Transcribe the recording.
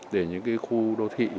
để những khu đô thị có thể được xây dựng